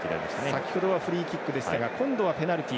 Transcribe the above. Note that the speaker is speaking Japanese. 先ほどはフリーキックで今回はペナルティ。